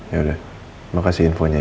yauda terima kasih infonya ya